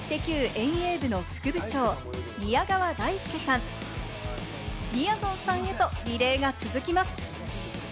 遠泳部の副部長・宮川大輔さん、みやぞんさんへとリレーが続きます。